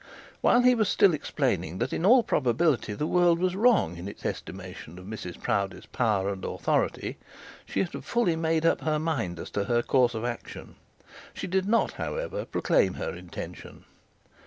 While he was still explaining that in all probability the world was wrong in its estimation of Mrs Proudie's power and authority, she had fully made up her mind as to her course of action. She did not, however, proclaim her intention.